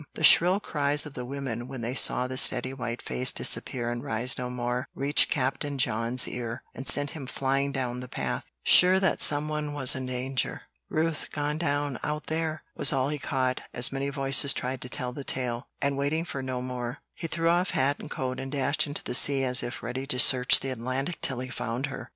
The shrill cries of the women when they saw the steady white face disappear and rise no more, reached Captain John's ear, and sent him flying down the path, sure that some one was in danger. "Ruth gone down out there!" was all he caught, as many voices tried to tell the tale; and waiting for no more, he threw off hat and coat, and dashed into the sea as if ready to search the Atlantic till he found her.